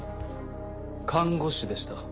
看護師でした。